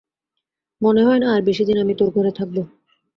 মনে হয় না আর বেশিদিন আমি তোর ঘরে থাকবো।